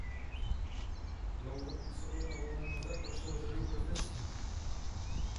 Dlouho působil na volné noze a prošel řadou profesí.